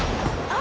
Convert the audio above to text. あ！